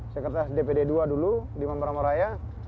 sekretaris dpd dua dulu di nomor satu raya